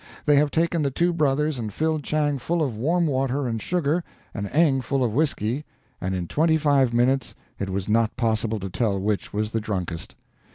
They have taken the two brothers and filled Chang full of warm water and sugar and Eng full of whisky, and in twenty five minutes it was not possible to tell which was the drunkest.